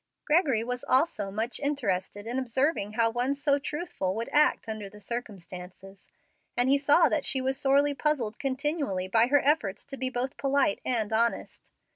Gregory was also much interested in observing how one so truthful would act under the circumstances, and he saw that she was sorely puzzled continually by her efforts to be both polite and honest.